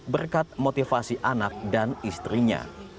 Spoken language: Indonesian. berkat motivasi anak dan istrinya